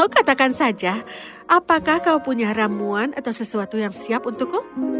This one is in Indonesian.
katakan saja apakah kau punya ramuan atau sesuatu yang siap untukku